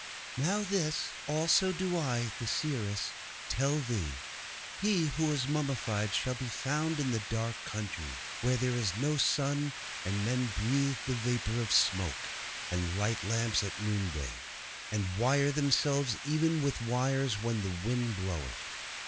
'Now this also do I, the seeress, tell thee. He who was mummified shall be found in the dark country, where there is no sun, and men breathe the vapour of smoke, and light lamps at noonday, and wire themselves even with wires when the wind bloweth.